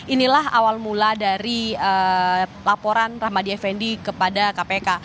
inilah awal mula dari laporan rahmadi effendi kepada kpk